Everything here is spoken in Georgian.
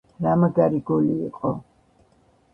რა მაგარი გოლი იყო